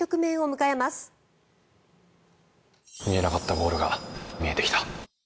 見えなかったボールが見えてきた。